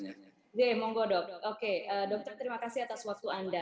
oke monggo dok dok oke dokter terima kasih atas waktu anda